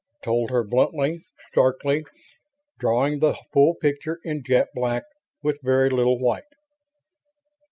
Told her bluntly; starkly; drawing the full picture in jet black, with very little white.